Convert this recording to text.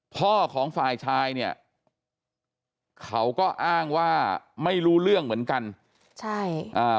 พ่อของฝ่ายชายเนี่ยเขาก็อ้างว่าไม่รู้เรื่องเหมือนกันใช่อ่า